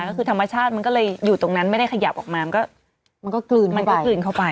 ก็คือธรรมชาติมันก็เลยอยู่ตรงนั้นไม่ได้ขยับออกมามันก็กลืนมันก็กลืนเข้าไป